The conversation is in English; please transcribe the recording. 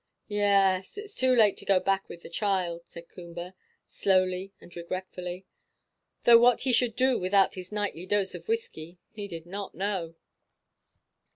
"Ye es, it's too late to go back with the child," said Coomber, slowly and regretfully; though what he should do without his nightly dose of whisky he did not know.